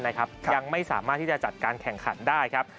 ยังไม่สามารถที่จะจัดการแข่งขันได้ครับ